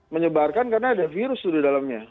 menyebarkan karena ada virus tuh di dalamnya